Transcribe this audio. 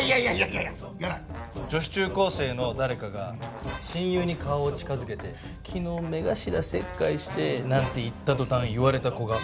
女子中高生の誰かが親友に顔を近づけて「昨日目頭切開して」なんて言った途端言われた子が。